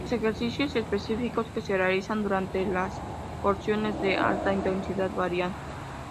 Los ejercicios específicos que se realizan durante las porciones de alta intensidad varían.